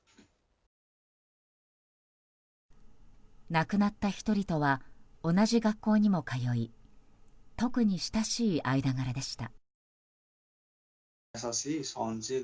亡くなった１人とは同じ学校にも通い特に親しい間柄でした。